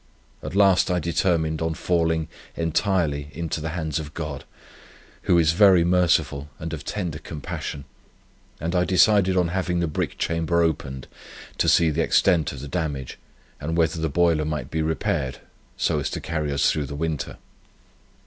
At last I determined on falling entirely into the hands of God, who is very merciful and of tender compassion, and I decided on having the brick chamber opened, to see the extent of the damage, and whether the boiler might be repaired, so as to carry us through the winter.